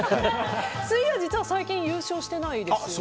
水曜、実は最近優勝してないですよね。